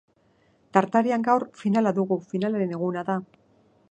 Tartarian gaur, finala dugu, finalaren eguna da.